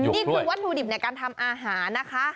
นี่คือวัตถุดิบในการทำอาหารนะคะ